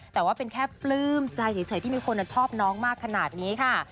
แต่ว่าเป็นแค่ปลื้มใจเฉยที่มีคนชอบน้องมากขนาดนี้ค่ะ